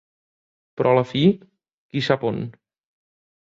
Però la fi, qui sap on?